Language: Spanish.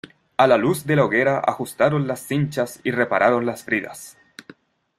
a la luz de la hoguera ajustaron las cinchas y repararon las bridas.